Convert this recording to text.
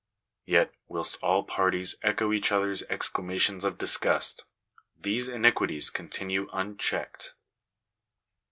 Yet, whilst all parties echo each others' excla mations of disgust, these iniquities continue unchecked